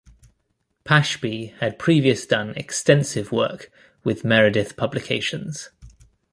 Pashby had previous done extensive work with Meredith Publications.